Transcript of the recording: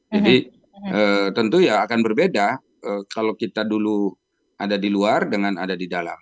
tentu ya akan berbeda kalau kita dulu ada di luar dengan ada di dalam